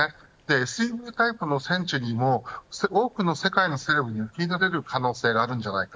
ＳＵＶタイプのセンチュリーも多くの世界のセレブに受け入れられる可能性があるんじゃないか。